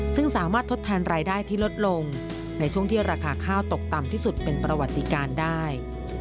ซึ่งสามารถทดแทนรายได้ที่ลดลงในช่วงที่ราคาข้าวตกต่ำที่สุดเป็นประวัติการได้